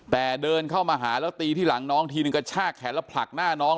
แต่เดินเข้ามาหาแล้วตีที่หลังน้องทีนึงกระชากแขนแล้วผลักหน้าน้อง